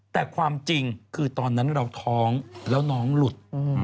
แต่ความจริงคือตอนนั้นเราท้องแล้วน้องหลุด